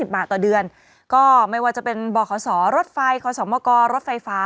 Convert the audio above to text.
๗๕๐บาทต่อเดือนก็ไม่ว่าจะเป็นบ่อขาวสอรถไฟขาวส่องมะกอรถไฟฟ้า